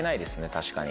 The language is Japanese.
確かに。